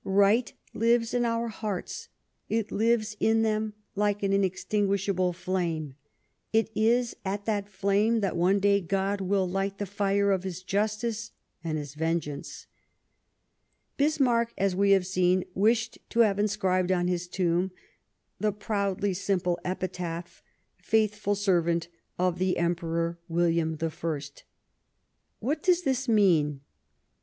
Right lives in our hearts, it lives in them "like an inextinguishable flame; it is at that flame that one day God will light the fire of His justice and His vengeance." Bismarck, as we have seen, wished to have in scribed on his tomb the proudly simple epitaph, " Faithful servant of the Emperor William I." What does this mean